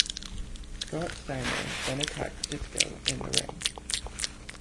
Scott Steiner then attacked Disco in the ring.